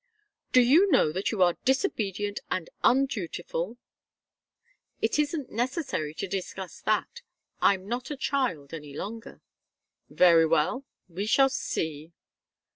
"Do you know that you are disobedient and undutiful?" "It isn't necessary to discuss that. I'm not a child any longer." "Very well. We shall see."